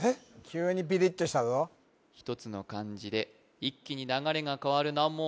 急にピリッとしたぞ１つの漢字で一気に流れが変わる難問